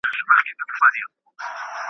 له کلونو یې پر څنډو اوسېدلی .